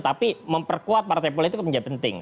tapi memperkuat partai politik menjadi penting